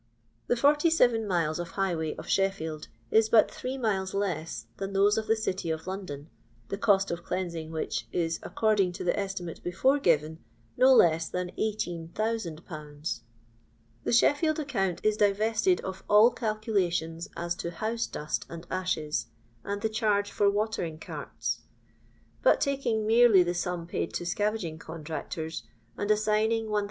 The 47 miles of highway of Sheffield is but three miles less than those of the city of London, the cost of cleansing which is, according to the estimate before given, no less than 18,000/. The Sheffield account is divested of all calcula tions as to house dust and ashes, and the charge for watering carts ; but, taking merely the sum paid to scavaging contractors, and assigning 1000